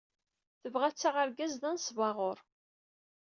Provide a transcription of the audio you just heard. Tebɣa ad taɣ argaz d anesbaɣur.